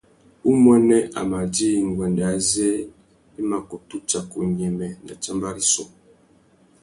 Umuênê a mà djï nguêndê azê i mà kutu tsaka unyêmê nà tsámbá rissú.